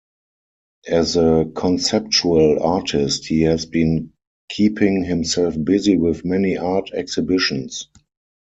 As a conceptual artist, he has been keeping himself busy with many art exhibitions.